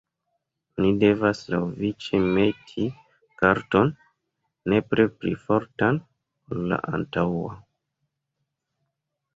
Oni devas laŭvice meti karton, nepre pli fortan, ol la antaŭa.